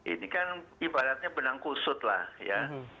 ini kan ibaratnya benang kusut lah ya